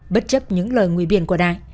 bất chấp những lời nguy biện quả đại